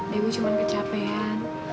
dewi cuma kecapean